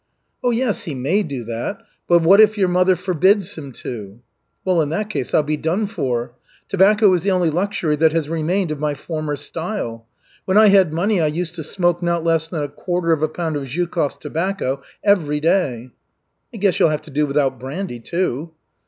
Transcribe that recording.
"Oh, yes, he may do that, but what if your mother forbids him to?" "Well, in that case I'll be done for. Tobacco is the only luxury that has remained of my former style. When I had money I used to smoke not less than a quarter of a pound of Zhukov's tobacco every day." "I guess you'll have to do without brandy, too."